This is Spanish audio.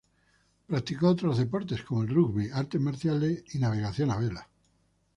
Practicó otros deportes como el Rugby, artes marciales y navegación a vela.